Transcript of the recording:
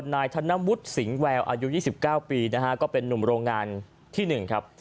นายธนวุฒิสิงห์แววอายุยี่สิบเก้าปีนะฮะก็เป็นนุมโรงงานที่หนึ่งครับ